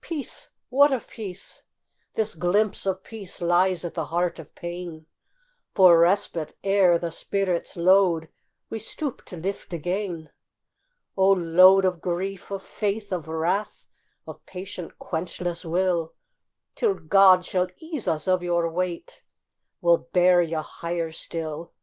Peace! What of peace? This glimpse of peace Lies at the heart of pain, For respite, ere the spirit's load We stoop to lift again. O load of grief, of faith, of wrath, Of patient, quenchless will, Till God shall ease us of your weight We'll bear you higher still!